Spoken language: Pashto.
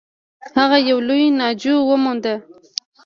هغه یو لوی ناجو و موند.